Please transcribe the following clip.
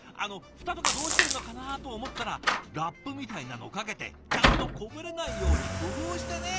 蓋とかどうしてるのかなと思ったらラップみたいなのかけてちゃんとこぼれないように工夫してね。